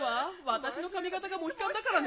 私の髪形がモヒカンだからね。